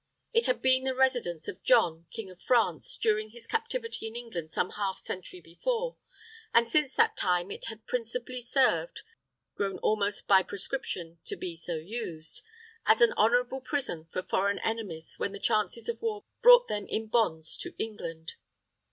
It had been the residence of John, king of France, during his captivity in England some half century before; and since that time it had principally served grown almost by prescription to be so used as an honorable prison for foreign enemies when the chances of war brought them in bonds to England.